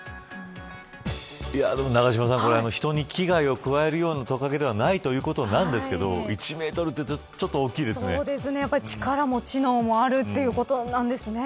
永島さん、これ人に危害を加えるようなトカゲではないということなんですが１メートルというと力も知能もあるということなんですね。